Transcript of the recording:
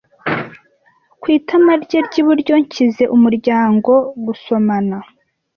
Ku itama rye ry'iburyo nshyize umuryango gusomana,